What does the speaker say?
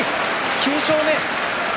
９勝目。